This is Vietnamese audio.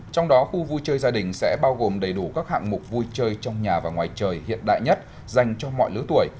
trong đó khu vui chơi gia đình sẽ bao gồm đầy đủ các hạng mục vui chơi trong nhà và ngoài trời hiện đại nhất dành cho mọi lứa tuổi